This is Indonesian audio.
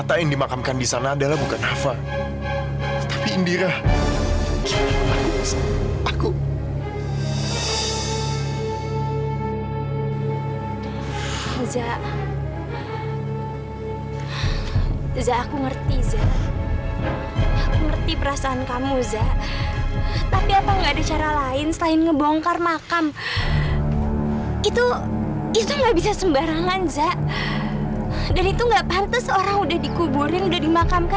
sampai jumpa di video selanjutnya